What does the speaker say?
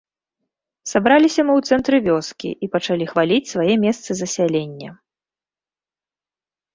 Сабраліся мы ў цэнтры вёскі і пачалі хваліць свае месцы засялення.